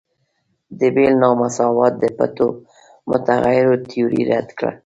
د بیل نا مساوات د پټو متغیرو تیوري رد کړه.